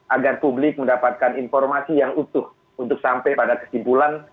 agar publik mendapatkan informasi yang utuh untuk sampai pada kesimpulan